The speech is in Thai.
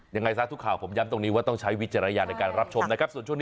ยังไงซะทุกข่าวผมย้ำตรงนี้ว่าต้องใช้วิจารณญาณในการรับชมนะครับ